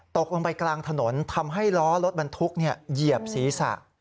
ตกลงไปกลางถนนทำให้ล้อรถบรรทุกเหยียบศีรษะ